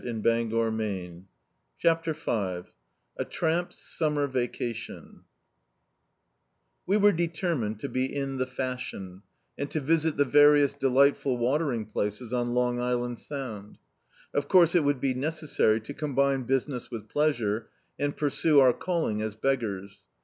db, Google CHAPTER V A tramp's summer vacation WE were determined to be in the fashion, and to visit the various deli^tf ul water ing places on Long Island Sound Of course it would be necessary to combine business with pleasure, and pursue our calling as beggars.